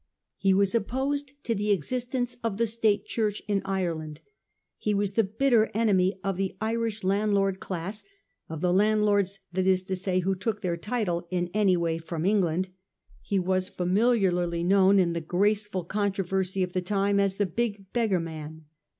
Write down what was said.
He was opposed to the existence of the State Church in Ireland. He was the bitter enemy of the Irish landlord class — of the landlords, that is to say, who took their title in any way from England. He was familiarly known in the graceful controversy of the time as the ' Big Beggarman.